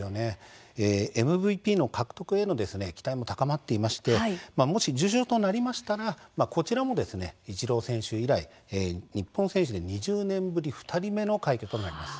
ＭＶＰの獲得への期待も高まっていまして、もし受賞となりましたらこちらもイチロー選手以来日本選手で２０年ぶり２人目の快挙となります。